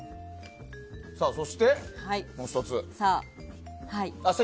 そして、もう１つ。